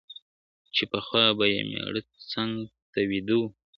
چي پخوا به یې مېړه څنګ ته ویده وو `